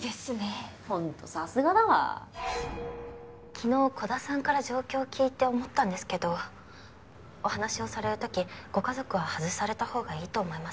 昨日鼓田さんから状況を聞いて思ったんですけどお話をされる時ご家族は外されたほうがいいと思います。